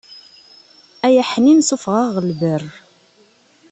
Ay aḥnin sufeɣ-aɣ ɣer lber.